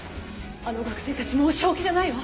あの学生たちもう正気じゃないわ！